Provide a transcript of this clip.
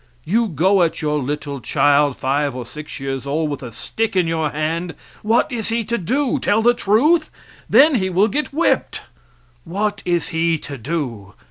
You go at your little child, five or six years old, with a stick in your hand what is he to do? Tell the truth? Then he will get whipped. What is he to do?